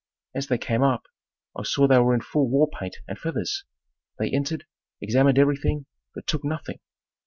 As they came up, I saw they were in full war paint and feathers. They entered, examined everything, but took nothing.